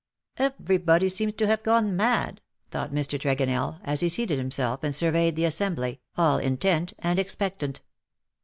" Everybody seems to have gone mad," thought Mr. Tregonell, as he seated himself and surveyed the assembly, all intent and expectant.